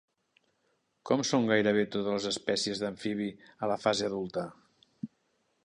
Com són gairebé totes les espècies d'amfibi a la fase adulta?